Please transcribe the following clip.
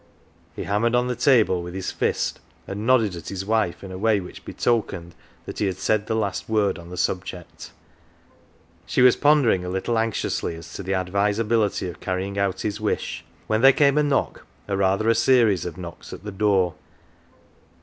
" He hammered on the table with his fist, and nodded at his wife in a way which betokened that he had said the last word on the subject. She was pondering a little anxiously as to the advis ability of carrying out his wish, when there came a knock, or rather a series of knocks, at the door.